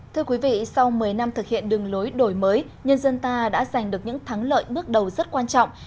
thưa quý vị sau một mươi năm thực hiện đường lối đổi mới nhân dân ta đã giành được những thắng lợi bước đầu rất quan trọng